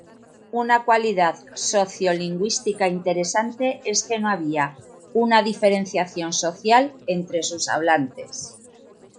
Una cualidad sociolingüística interesante es que no había una diferenciación social entre sus hablantes.